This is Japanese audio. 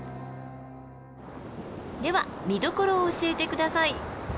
では見どころを教えて下さい。